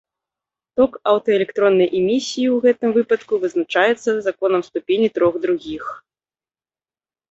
Ток аўтаэлектроннай эмісіі ў гэтым выпадку вызначаецца законам ступені трох другіх.